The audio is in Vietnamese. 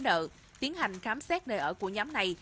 nhân vỡ nợ tiến hành khám xét nơi ở của nhóm này